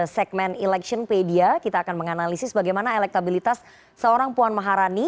segmen electionpedia kita akan menganalisis bagaimana elektabilitas seorang puan maharani